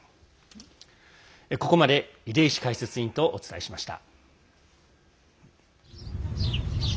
ここまで出石解説委員とお伝えしました。